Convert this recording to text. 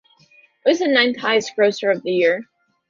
It was the ninth highest grosser of the year.